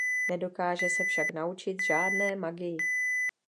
Nedokáže se však naučit žádné magii.